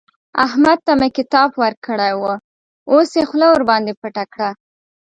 احمد ته مې کتاب ورکړی وو؛ اوس يې خوله ورباندې پټه کړه.